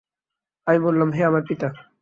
আমি বললাম, হে আমার পিতা!